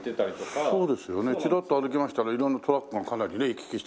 そうですよねチラッと歩きましたら色んなトラックがかなりね行き来してましたけど。